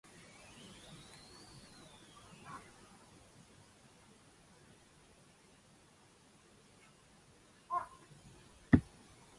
ある日、皇帝は私の食事振りを聞かれて、では自分も皇后、皇子、皇女たちと一しょに、私と会食がしてみたいと望まれました。